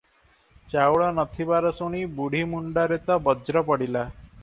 ଚାଉଳ ନ ଥିବାର ଶୁଣି ବୁଢ଼ୀ ମୁଣ୍ଡରେ ତ ବଜ୍ର ପଡ଼ିଲା ।